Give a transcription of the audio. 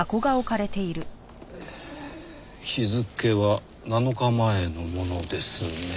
日付は７日前のものですね。